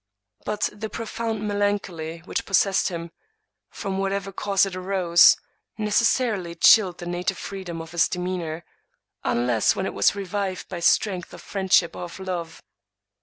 But the profound melancholy which possessed him, from whatever cause it arose, necessarily chilled the native freedom of his demeanor, unless when it was revived by strength of friend ship or of love.